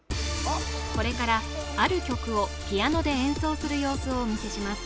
これからある曲をピアノで演奏する様子をお見せします